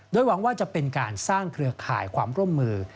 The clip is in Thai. โดยหวังว่าจะเป็นการสร้างเครือข่ายความร่วมมือ